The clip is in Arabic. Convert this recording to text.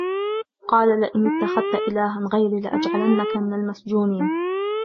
قَالَ لَئِنِ اتَّخَذْتَ إِلَهًا غَيْرِي لَأَجْعَلَنَّكَ مِنَ الْمَسْجُونِينَ